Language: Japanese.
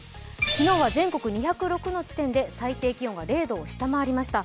昨日は全国２０６の地点で最低気温が０度を下回りました。